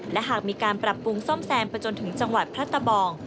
และหากมีการปรับปรุงซ่อมแซมไปจนถึงจังหวัดพระตะบอง